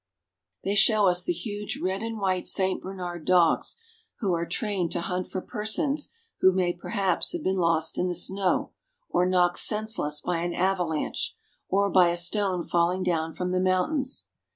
They show us the huge red and white St. Bernard dogs, which are trained to hunt for persons who may, perhaps, have been lost in the snow, or knocked senseless by an avalanche, or by a stone falling down from the mountains.